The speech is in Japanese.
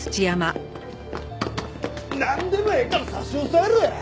なんでもええから差し押さえろや！